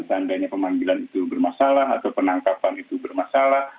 seandainya pemanggilan itu bermasalah atau penangkapan itu bermasalah